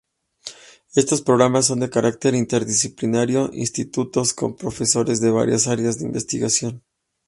Estos programas son de carácter interdisciplinario institutos con profesores de varias áreas de investigación.